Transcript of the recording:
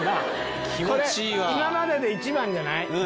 これ今までで一番じゃない？